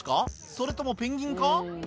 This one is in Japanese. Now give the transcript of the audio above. それともペンギンか？